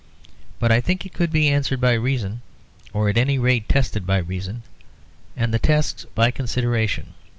But I think it could be answered by reason, or at any rate tested by reason; and the tests by consideration.